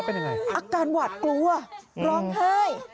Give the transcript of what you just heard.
อักการหวาดกลัวร้องไห้